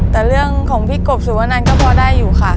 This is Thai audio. แต่เรื่องของพี่กบสุวนันก็พอได้อยู่ค่ะ